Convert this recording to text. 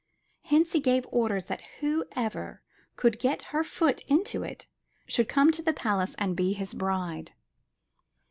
Hence he gave orders that whoever could get her foot into it, should come to the palace and be his bride.